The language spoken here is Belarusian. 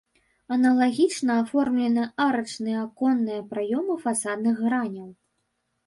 Аналагічна аформлены арачныя аконныя праёмы фасадных граняў.